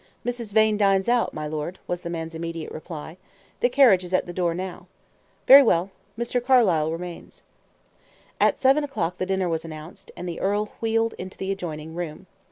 "Mrs. Vane dines out, my lord," was the man's immediate reply. "The carriage is at the door now." "Very well. Mr. Carlyle remains." At seven o'clock the dinner was announced, and the earl wheeled into the adjoining room.